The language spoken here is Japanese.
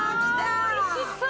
おいしそう！